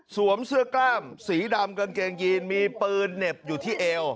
เสื้อกล้ามสีดำกางเกงยีนมีปืนเหน็บอยู่ที่เอว